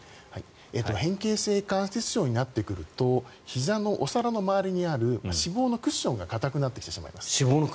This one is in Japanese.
変形性関節症になってくるとひざのお皿の周りにある脂肪のクッションが硬くなってきてしまいます。